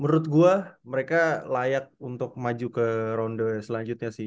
menurut gue mereka layak untuk maju ke ronde selanjutnya sih